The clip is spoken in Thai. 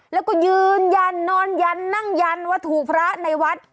แล้วก็ยืนยันนอนยันนั่งยันว่าถูกพระในวัด